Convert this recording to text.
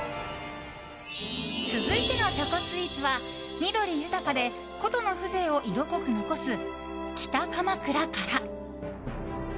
続いてのチョコスイーツは緑豊かで古都の風情を色濃く残す北鎌倉から。